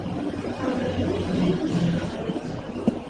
А яны не высыхаюць.